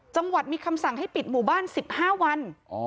จังหวัดมีคำสั่งให้ปิดหมู่บ้าน๑๕วัน